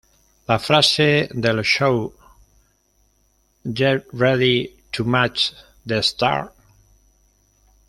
La frase del show "Get ready to match the stars!